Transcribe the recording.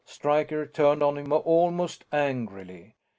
Stryker turned on him almost angrily.